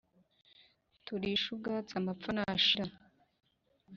turishe ubwatsi. amapfa nashira,